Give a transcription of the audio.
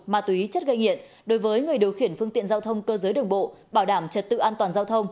ma túy chất gây nghiện đối với người điều khiển phương tiện giao thông cơ giới đường bộ bảo đảm trật tự an toàn giao thông